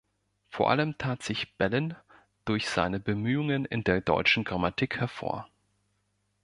Vor allem tat sich Bellin durch seine Bemühungen in der deutschen Grammatik hervor.